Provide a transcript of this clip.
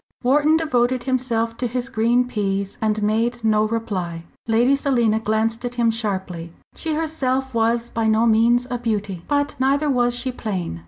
Wharton devoted himself to his green peas, and made no reply. Lady Selina glanced at him sharply. She herself was by no means a beauty. But neither was she plain.